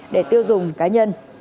để tiêu dùng cá nhân